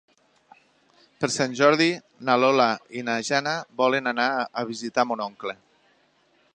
Per Sant Jordi na Lola i na Jana volen anar a visitar mon oncle.